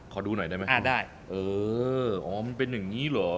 เออมันเป็นอย่างนี้หรอ